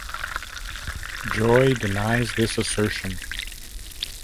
Joy denies this assertion.